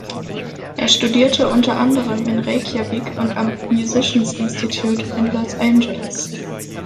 Er studierte unter anderem in Reykjavík und am Musicians Institute in Los Angeles.